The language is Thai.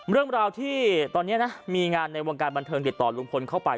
เรื่องราวที่ตอนนี้นะมีงานในวงการบันเทิงติดต่อลุงพลเข้าไป